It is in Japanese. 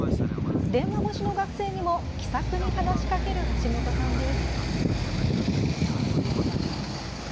電話越しの学生にも気さくに話しかける橋本さんです。